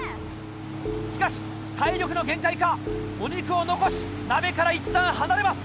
しかし体力の限界かお肉を残し鍋からいったん離れます。